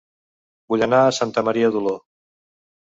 Vull anar a Santa Maria d'Oló